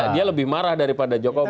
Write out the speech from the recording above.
dia lebih marah daripada jokowi